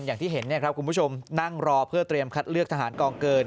อย่างที่เห็นคุณผู้ชมนั่งรอเพื่อเตรียมคัดเลือกทหารกองเกิน